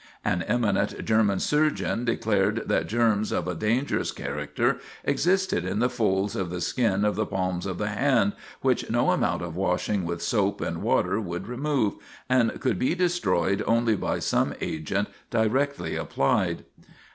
An eminent German surgeon declared that germs of a dangerous character existed in the folds of the skin of the palms of the hand which no amount of washing with soap and water could remove, and could be destroyed only by some agent directly applied.